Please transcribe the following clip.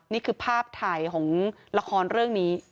นี่คือภาพถ่ายของละครเรื่องนี้